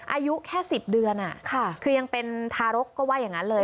อายุแค่๑๐เดือนคือยังเป็นทารกก็ว่าอย่างนั้นเลย